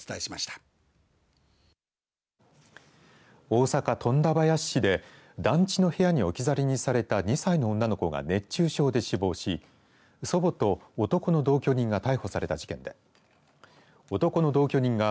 大阪、富田林市で団地の部屋に置き去りにされた２歳の女の子が熱中症で死亡し祖母と男の同居人が逮捕された事件で男の同居人が